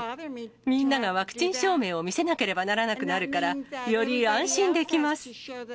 みんながワクチン証明を見せなければならなくなるから、より安心